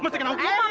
mesti kena hukum